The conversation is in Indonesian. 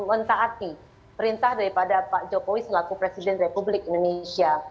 mereka mencabut perintah dari pak jokowi selaku presiden republik indonesia